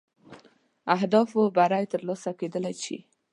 اهدافو بری تر لاسه کېدلای شي.